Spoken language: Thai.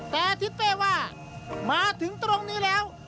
แต่ทิศเป้ว่ามาถึงตรงนี้แล้ว